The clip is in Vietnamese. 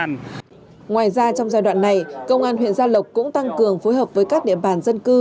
ngoài ra trong giai đoạn này công an huyện gia lộc cũng tăng cường phối hợp với các địa bàn dân cư